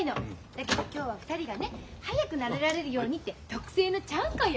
だけど今日は２人がね早く慣れられるようにって特製のちゃんこよ！